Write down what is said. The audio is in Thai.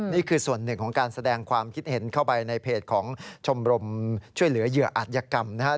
นี่คือส่วนหนึ่งของการแสดงความคิดเห็นเข้าไปในเพจของชมรมช่วยเหลือเหยื่ออาจยกรรมนะครับ